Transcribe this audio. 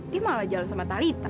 dia malah jalan sama talitha